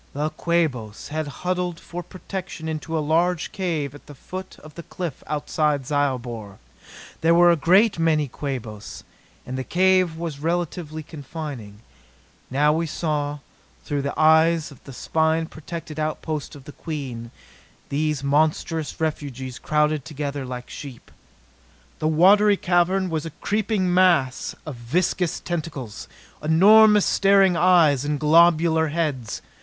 The Quabos had huddled for protection into a large cave at the foot of the cliff outside Zyobor. There were a great many Quabos, and the cave was relatively confining. Now we saw, through the eyes of the spine protected outpost of the Queen, these monstrous refugees crowded together like sheep. The watery cavern was a creeping mass of viscous tentacles, enormous staring eyes and globular heads.